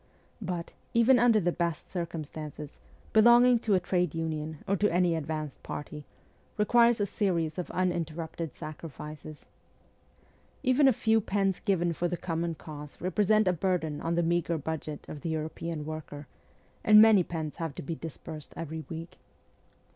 But, even under the best circumstances, belonging to a trade union, or to any advanced party, requires a series of uninterrupted sacrifices* Even a few pence given for the common cause represent a burden on the meagre budget of the European worker, and many pence have to be disbursed every week.